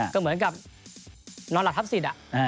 ก็เหมือนกับนอนหลับทับสิทธิ์